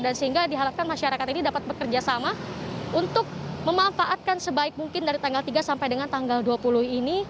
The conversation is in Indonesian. dan sehingga diharapkan masyarakat ini dapat bekerjasama untuk memanfaatkan sebaik mungkin dari tanggal tiga sampai dengan tanggal dua puluh ini